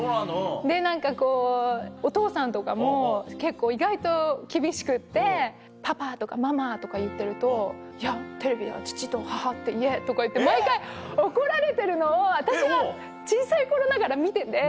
で何かこうお父さんとかも結構意外と厳しくて「パパ」とか「ママ」とか言ってると「いやテレビでは父と母って言え」とか言って毎回怒られてるのを私は小さい頃ながら見てて。